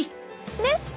ねっ。